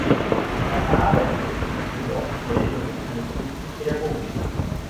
Er erarbeitete sich dort schnell den Ruf eines tüchtigen Pädagogen.